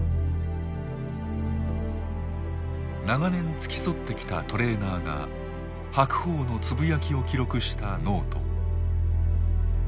長年付き添ってきたトレーナーが白鵬のつぶやきを記録したノート。